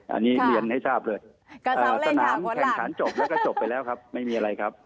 อันนี้เรียนให้ทราบเลยสนามแค่งชั้นจบแล้วก็จบไปแล้วครับ